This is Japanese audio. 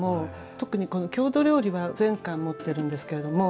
特にこの郷土料理は全巻持ってるんですけれども。